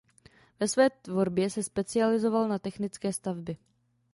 Ve své tvorbě se specializoval na technické stavby.